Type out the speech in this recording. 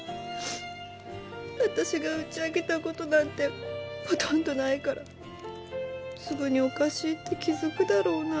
私がうち空けたことなんてほとんどないからすぐにおかしいって気付くだろうな。